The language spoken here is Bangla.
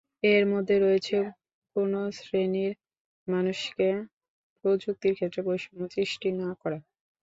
এর মধ্যে রয়েছে কোন শ্রেণীর মানুষকে প্রযুক্তির ক্ষেত্রে বৈষম্য সৃষ্টি না করা।